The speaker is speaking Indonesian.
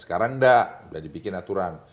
sekarang enggak udah dibikin aturan